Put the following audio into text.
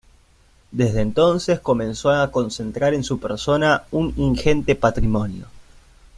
Desde entonces comenzó a concentrar en su persona un ingente patrimonio.